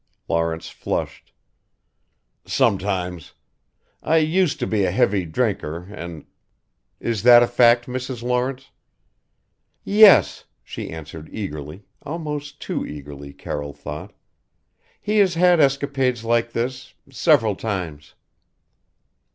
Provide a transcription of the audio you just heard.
Lawrence flushed. "Sometimes. I used to be a heavy drinker, and " "Is that a fact, Mrs. Lawrence?" "Yes," she answered eagerly: almost too eagerly Carroll thought "he has had escapades like this several times."